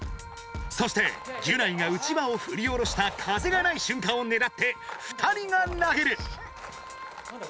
そしてギュナイがうちわをふり下ろした風がないしゅんかんをねらって２人が投げる！